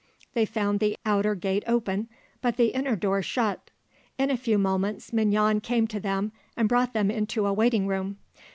They found the outer gate open, but the inner door shut. In a few moments Mignon came to them and brought them into a waiting room.